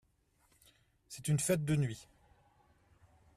C’est une fête de nuit.